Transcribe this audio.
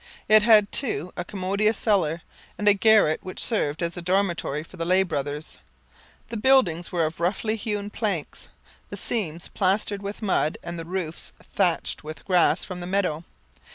It had, too, a commodious cellar, and a garret which served as a dormitory for the lay brothers. The buildings were of roughly hewn planks, the seams plastered with mud and the roofs thatched with grass from the meadow.